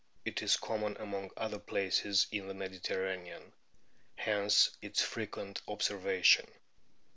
It is common, among other places, in the Mediterranean ; hence its frequent observation.